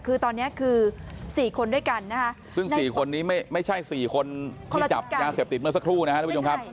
คือตอนนี้คือสี่คนด้วยกันนะฮะซึ่งสี่คนนี้ไม่ใช่สี่คนที่จับยาเสพติดเมื่อสักครู่นะฮะ